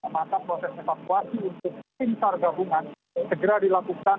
maka proses evakuasi untuk pintar gabungan segera dilakukan